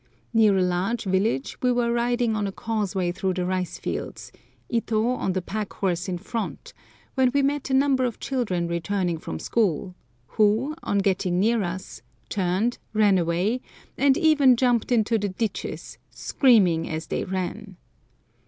Near a large village we were riding on a causeway through the rice fields, Ito on the pack horse in front, when we met a number of children returning from school, who, on getting near us, turned, ran away, and even jumped into the ditches, screaming as they ran.